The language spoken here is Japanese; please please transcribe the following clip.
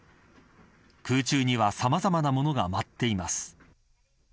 空中にはさまざまなものが舞っています。